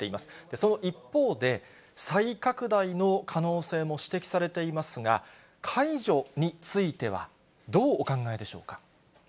その一方で、再拡大の可能性も指摘されていますが、解除についてはどうお考えでしょうか。